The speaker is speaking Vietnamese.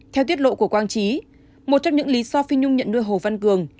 theo tiết lộ của quang trí một trong những lý do phi nhung nhận đưa hồ văn cường